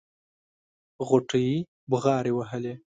غوټۍ بغاري وهلې.